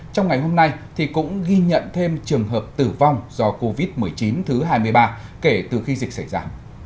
trong ngày hôm nay cũng ghi nhận thêm trường hợp tử vong do covid một mươi chín thứ hai mươi ba kể từ khi dịch xảy ra